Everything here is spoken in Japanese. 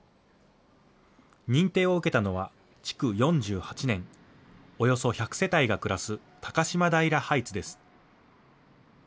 認定を受けたのは築４８年、およそ１００世帯が暮らす高島平ハイツです。